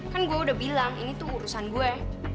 kan gue udah bilang ini tuh urusan gue